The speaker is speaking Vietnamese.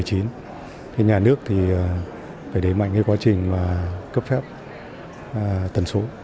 thế nhà nước thì phải đẩy mạnh cái quá trình cấp phép tần số